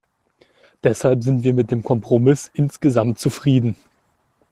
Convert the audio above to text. Deshalb sind wir mit dem Kompromiss insgesamt zufrieden.